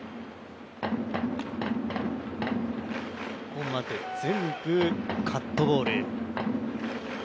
ここまで全部、カットボール。